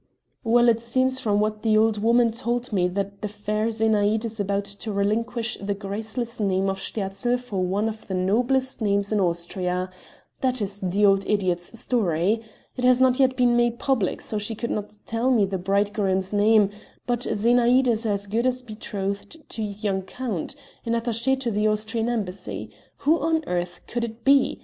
"Well, it seems from what the old woman told me that the fair Zenaïde is about to relinquish the graceless name of Sterzl for one of the noblest names in Austria that is the old idiot's story. It has not yet been made public, so she could not tell me the bridegroom's name, but Zenaïde is as good as betrothed to a young count an attaché to the Austrian embassy. Who on earth can it be?